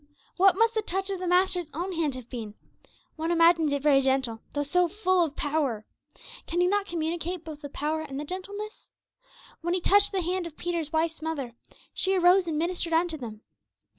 What must the touch of the Master's own hand have been! One imagines it very gentle, though so full of power. Can He not communicate both the power and the gentleness? When He touched the hand of Peter's wife's mother, she arose and ministered unto them.